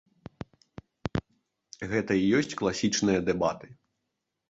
Гэта і ёсць класічныя дэбаты.